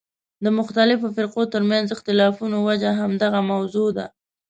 د مختلفو فرقو ترمنځ اختلافونو وجه همدغه موضوع ده.